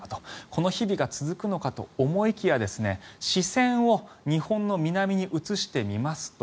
この日々が続くのかと思いきや視線を日本の南に移してみますと。